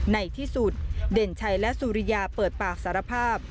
ในที่สุดเด่นชัยและสุริยาเปิดปากสารภาพ